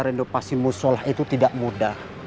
renovasi musolah itu tidak mudah